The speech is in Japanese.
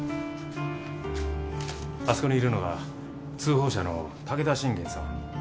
あそこにいるのが通報者の武田信玄さん。